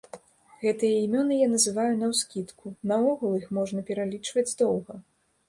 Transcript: Гэтыя імёны я называю наўскідку, наогул іх можна пералічваць доўга.